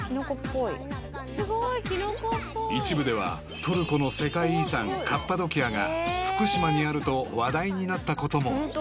［一部ではトルコの世界遺産カッパドキアが福島にあると話題になったことも］